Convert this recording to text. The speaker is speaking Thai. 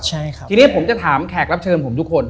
ช่างไว้ผมจะถามแขกรับเชิญผมทุกคน